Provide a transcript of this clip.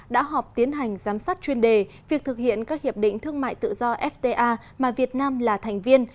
đã họp tiến hành giám sát chuyên đề việc thực hiện các hiệp định thương mại tự do fta mà việt nam là thành viên